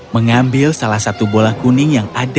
mengambil salah satu bola kuning yang ada di dalamnya